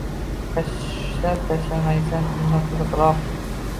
Tashlab tashlamaysan, undan qiziqroq.